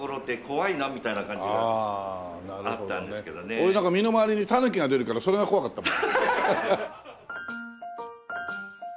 俺なんか身の周りにタヌキが出るからそれが怖かったもん。